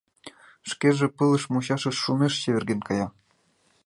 Шкеже пылыш мучашыш шумеш чеверген кая.